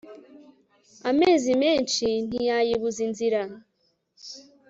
amazi menshi ntiyayibuza inzira